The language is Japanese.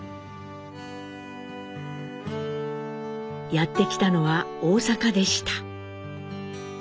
やって来たのは大阪でした。